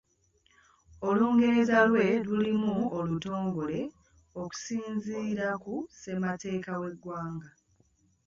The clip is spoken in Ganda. Olungereza lwe lulimi olutongole okusinziira ku ssemateeka w'eggwanga.